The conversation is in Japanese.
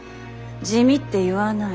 地味って言わない。